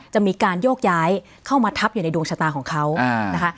จะมีการโยกย้ายเข้ามาทับอยู่ในดวงชะตาของเขานะคะ